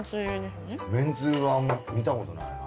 めんつゆはあんま見たことないな。